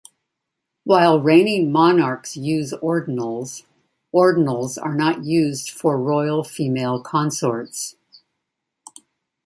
While reigning monarchs use ordinals, ordinals are not used for royal female consorts.